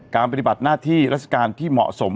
ปฏิบัติหน้าที่ราชการที่เหมาะสม